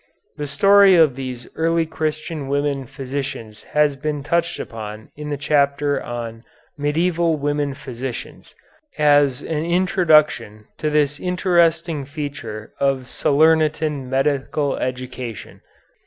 The story of these early Christian women physicians has been touched upon in the chapter on "Medieval Women Physicians," as an introduction to this interesting feature of Salernitan medical education.